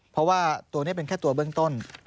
เพราะว่าตัวนี้เป็นแค่ตัวเบื้องต้น